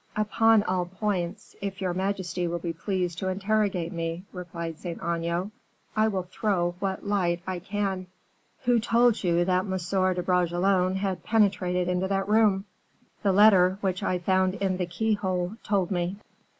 "Upon all points, if your majesty will be pleased to interrogate me," replied Saint Aignan, "I will throw what light I can." "Who told you that M. de Bragelonne had penetrated into that room?" "The letter which I found in the keyhole told me."